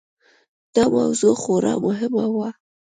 دا موضوع خورا مهمه وه.